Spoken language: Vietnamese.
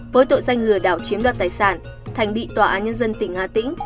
với tội danh lừa đảo chiếm đoạt tài sản thành bị tòa án nhân dân tỉnh hà tĩnh